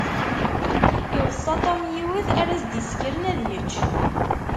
Iweṣṣa Tom yiwet ara s-d-isekren ad yečč.